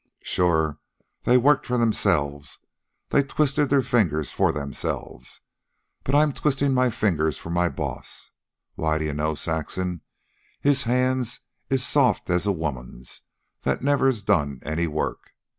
"Sure. They worked for themselves. They twisted their fingers for themselves. But I'm twistin' my fingers for my boss. Why, d'ye know, Saxon, his hands is soft as a woman's that's never done any work.